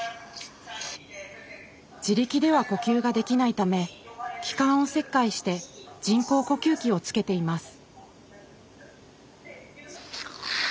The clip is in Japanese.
自力では呼吸ができないため気管を切開して人工呼吸器をつけています。